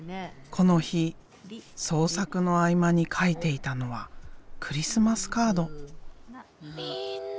この日創作の合間に書いていたのはクリスマスカード。